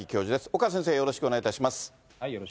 岡先生、よろしくお願いいたします。